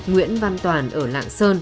nguyễn văn toàn ở lạng sơn